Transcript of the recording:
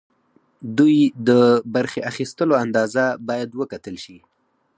دوی د برخې اخیستلو اندازه باید وکتل شي.